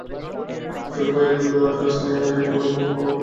বিশ্বকাপের আসরে স্নায়ু হারিয়ে ফেলার মতো কোনো ঘটনা ঘটার সম্ভাবনা কমই।